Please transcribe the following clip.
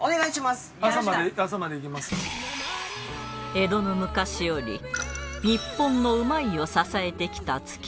江戸の昔より日本のうまいを支えてきた築地